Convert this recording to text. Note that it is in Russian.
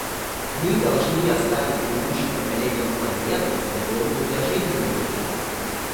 Мы должна оставить грядущим поколениям планету, пригодную для жизни на ней.